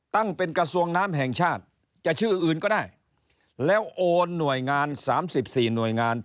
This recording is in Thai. ตั้งเป็นกระทรวงน้ำแห่งชาติจะชื่ออื่นก็ได้แล้วโอนหน่วยงาน๓๔หน่วยงาน